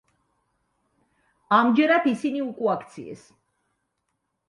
ამჯერად ისინი უკუაქციეს.